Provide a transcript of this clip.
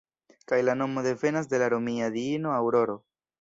Kaj la nomo devenas de la romia diino Aŭroro.